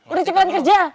udah cepet kerja